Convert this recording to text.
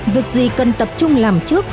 việc gì cần tập trung làm trước